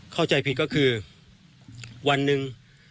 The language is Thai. เข้าใจผิดก็คือวันหนึ่ง